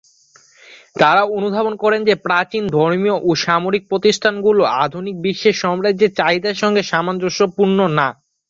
তারা অনুধাবন করেন যে প্রাচীন ধর্মীয় ও সামরিক প্রতিষ্ঠানগুলো আধুনিক বিশ্বে সাম্রাজ্যের চাহিদার সাথে সামঞ্জস্যপূর্ণ না।